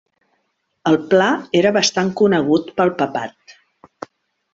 El pla era bastant conegut pel Papat.